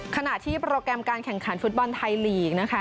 ขณะที่โปรแกรมการแข่งขันฟุตบอลไทยลีกนะคะ